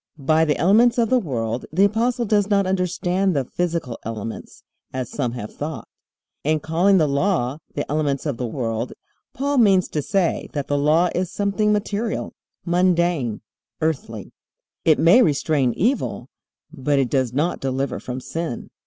By the elements of the world the Apostle does not understand the physical elements, as some have thought. In calling the Law "the elements of the world" Paul means to say that the Law is something material, mundane, earthly. It may restrain evil, but it does not deliver from sin.